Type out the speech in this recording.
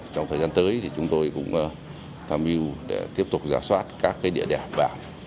trong thời gian tới thì chúng tôi cũng tham mưu để tiếp tục giả soát các địa đại bản